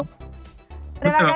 terima kasih sudah bergabung